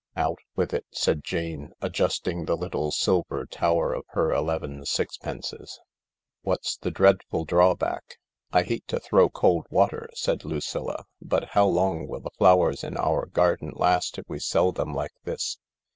"Out with it," said Jane, adjusting the little silver tower of her eleven sixpences. " What's the dreadful draw back ?" "I hate to throw cold water," said Lucilla, "but how long will the flowers in our garden last if we sell them like this?